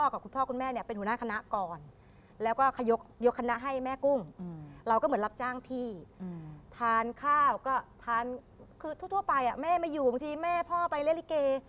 คือทั่วไปแม่ไม่อยู่บางทีแม่พ่อไปเรลิเกย์